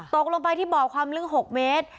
ตกลงไปที่บ่อความลึก๖เมตร